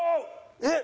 えっ？